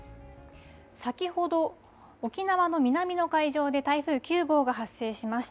先ほど沖縄の南の海上で台風９号が発生しました。